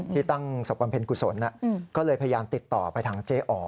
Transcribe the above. ที่ตั้งศพบำเพ็ญกุศลก็เลยพยายามติดต่อไปทางเจ๊อ๋อ